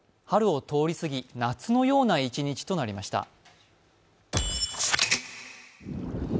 春を通り過ぎ、夏のような１日となりました。